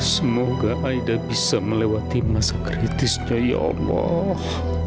semoga aida bisa melewati masa kritisnya ya allah